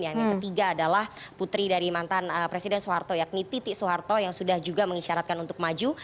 yang ketiga adalah putri dari mantan presiden soeharto yakni titi soeharto yang sudah juga mengisyaratkan untuk maju